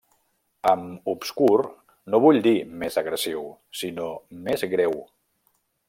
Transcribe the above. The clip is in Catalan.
Amb obscur, no vull dir més agressiu, sinó més greu.